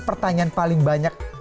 pertanyaan paling banyak